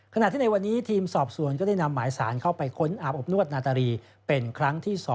ขณะที่ในวันนี้ทีมสอบสวนก็ได้นำหมายสารเข้าไปค้นอาบอบนวดนาตารีเป็นครั้งที่๒